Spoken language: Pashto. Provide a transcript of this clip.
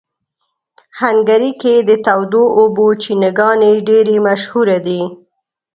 هنګري کې د تودو اوبو چینهګانې ډېرې مشهوره دي.